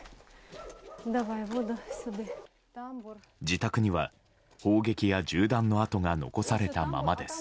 自宅には、砲撃や銃弾の跡が残されたままです。